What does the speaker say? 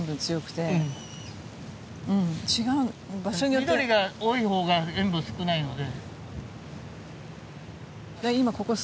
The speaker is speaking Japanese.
緑が多い方が塩分少ないので。